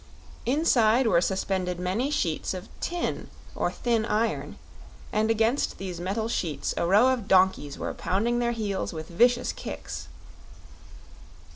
Inside were suspended many sheets of tin or thin iron, and against these metal sheets a row of donkeys were pounding their heels with vicious kicks.